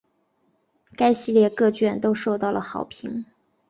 该系列各卷都受到了好评。